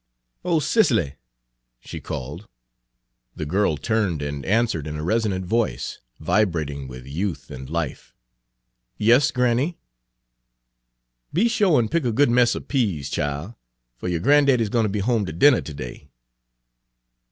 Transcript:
"Oh, Cicely!" she called. The girl turned and answered in a resonant voice, vibrating with youth and life, "Yes, granny!" Page 133 "Be sho' and pick a good mess er peas, chile, fer yo' gran'daddy 's gwine ter be home ter dinner ter day."